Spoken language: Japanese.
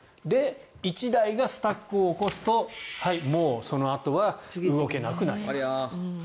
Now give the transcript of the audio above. １台がスタックを起こすとそのあとは動けなくなりますと。